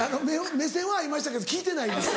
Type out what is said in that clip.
目線は合いましたけど聞いてないです。